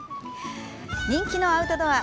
人気のアウトドア。